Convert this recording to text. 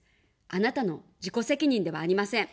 あなたの自己責任ではありません。